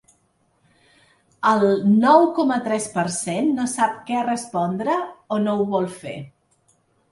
El nou coma tres per cent no sap què respondre o no ho vol fer.